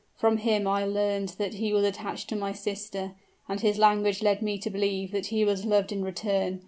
From him I learned that he was attached to my sister, and his language led me to believe that he was loved in return.